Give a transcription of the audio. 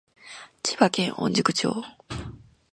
千葉県御宿町